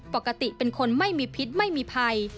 ปกติเป็นคนไม่มีพิษไม่มีภัย